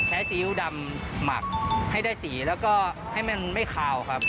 ซีอิ๊วดำหมักให้ได้สีแล้วก็ให้มันไม่คาวครับ